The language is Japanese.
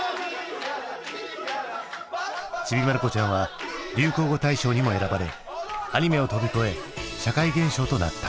「ちびまる子ちゃん」は流行語大賞にも選ばれアニメを飛び越え社会現象となった。